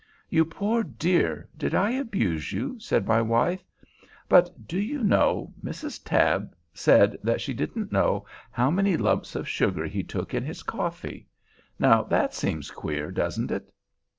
"You poor dear, did I abuse you?" said my wife. "But, do you know, Mrs. Tabb said that she didn't know how many lumps of sugar he took in his coffee. Now that seems queer, doesn't it?"